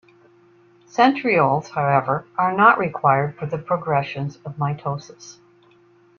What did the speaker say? Centrioles however, are not required for the progression of mitosis.